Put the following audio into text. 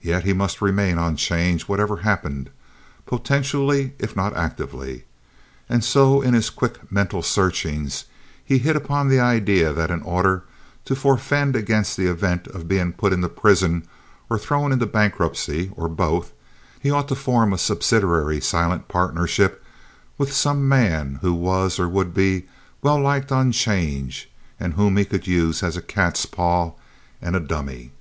Yet he must remain on 'change, whatever happened, potentially if not actively; and so in his quick mental searchings he hit upon the idea that in order to forfend against the event of his being put into prison or thrown into bankruptcy, or both, he ought to form a subsidiary silent partnership with some man who was or would be well liked on 'change, and whom he could use as a cat's paw and a dummy.